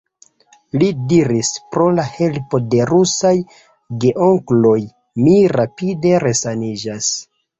Li diris: Pro la helpo de rusaj geonkloj mi rapide resaniĝas.